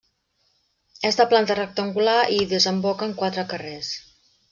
És de planta rectangular i hi desemboquen quatre carrers.